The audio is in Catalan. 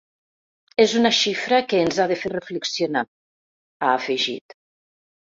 Es una xifra que ens ha de fer reflexionar, ha afegit.